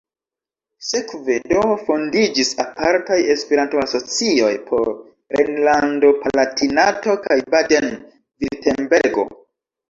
Sekve do fondiĝis apartaj Esperanto-asocioj por Rejnlando-Palatinato kaj Baden-Virtembergo.